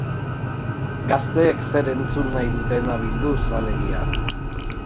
Gazteek zer entzun nahi dutena bilduz, alegia.